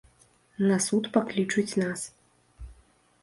На суд паклічуць нас.